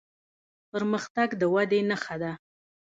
پرمختګ د ودې نښه ده.